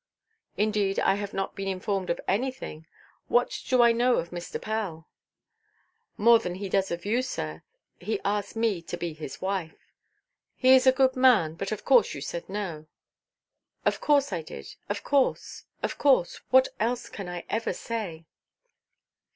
"Indeed I have not been informed of anything. What do I know of Mr. Pell?" "More than he does of you, sir. He asked me to be his wife." "He is a good man. But of course you said 'No.'" "Of course I did. Of course, of course. What else can I ever say?"